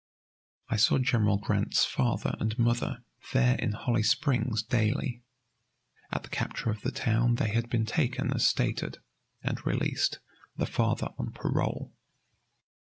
I saw General Grant's father and mother there in Holly Springs daily. At the capture of the town they had been taken as stated, and released, the father on parole.